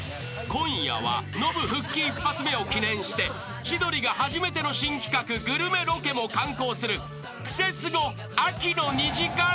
［今夜はノブ復帰一発目を記念して千鳥が初めての新企画グルメロケも敢行する『クセスゴ』秋の２時間スペシャル］